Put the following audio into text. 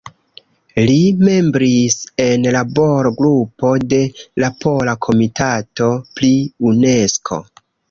Li membris en Labor-Grupo de la Pola Komitato pri Unesko.